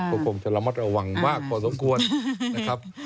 ก็คงจะระมัดระวังมากพอสมควรนะครับ